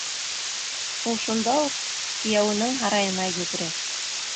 Ул шунда уҡ кейәүенең һарайына йүгерә.